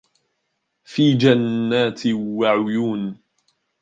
في جَنّاتٍ وَعُيونٍ